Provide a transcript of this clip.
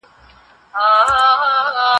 لوبه د زهشوم له خوا کيږي.